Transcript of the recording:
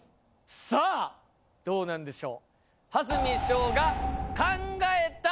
さあどうなんでしょう？